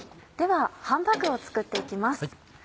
ではハンバーグを作って行きます。